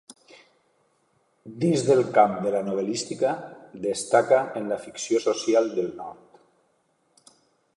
Dins del camp de la novel·lística, destaca en la ficció social del nord.